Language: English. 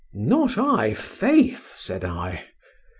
—Not I, faith! said I.